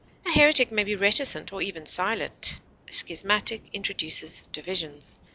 A heretic may be reticent, or even silent; a schismatic introduces divisions.